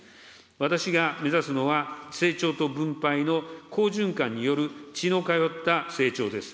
私が目指すのは、成長と分配の好循環による血の通った成長です。